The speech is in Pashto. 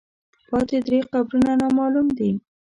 پاتې درې قبرونه نامعلوم دي.